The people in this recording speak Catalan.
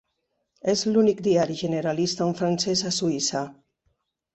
És l'únic diari generalista en francès a Suïssa.